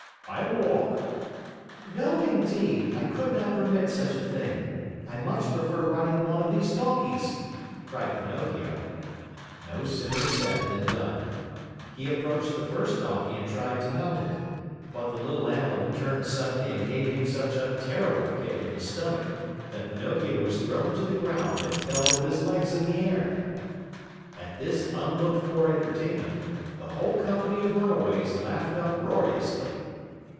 "I'll walk." "No, indeed. I could not permit such a thing. I much prefer riding one of these donkeys," cried Pinocchio. No sooner said than done. He approached the first donkey and tried to mount it. But the little animal turned suddenly and gave him such a terrible kick in the stomach that Pinocchio was thrown to the ground and fell with his legs in the air. At this unlooked for entertainment, the whole company of runaways laughed uproariously.